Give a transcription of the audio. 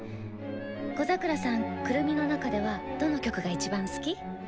小桜さん「くるみ」の中ではどの曲がいちばん好き？